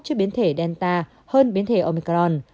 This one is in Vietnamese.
cho biến thể delta hơn biến thể omicron